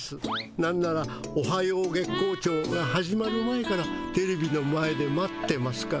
なんなら「おはよう月光町」が始まる前からテレビの前で待ってますから。